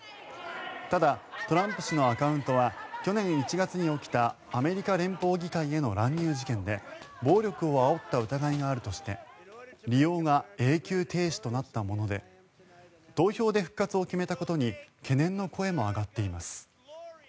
ただ、トランプ氏のアカウントは去年１月に起きたアメリカ連邦議会への乱入事件で暴力をあおった疑いがあるとして利用が永久停止となったもので投票で復活を決めたことに懸念の声も上がっています。